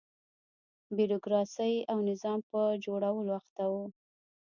بیروکراسۍ او نظام پر جوړولو اخته و.